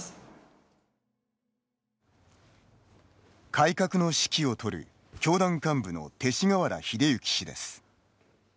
改革の指揮を執る教団幹部の勅使河原秀行氏です。